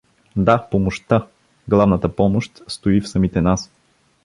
— Да, помощта, главната помощ стои в самите нас.